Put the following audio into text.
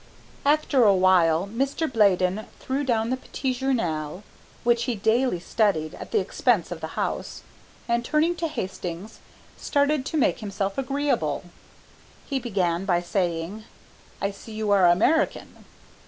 After a while Mr. Bladen threw down the Petit Journal, which he daily studied at the expense of the house, and turning to Hastings, started to make himself agreeable. He began by saying, "I see you are American."